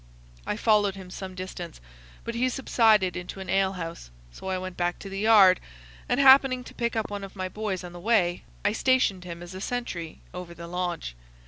I followed him some distance, but he subsided into an ale house: so I went back to the yard, and, happening to pick up one of my boys on the way, I stationed him as a sentry over the launch.